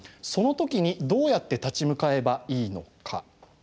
その時にどうやって立ち向かえばいいのか。